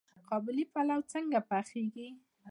قابلي پلاو څنګه پخیږي؟